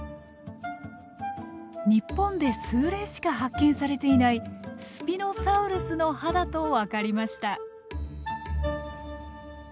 日本で数例しか発見されていないスピノサウルスの歯だと分かりました。